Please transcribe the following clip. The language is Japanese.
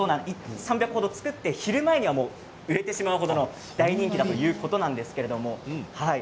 ３００個程作って昼前には売れてしまう程の人気ということなんです。